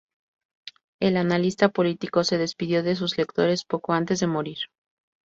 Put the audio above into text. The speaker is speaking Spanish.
El analista político se despidió de sus lectores poco antes de morir.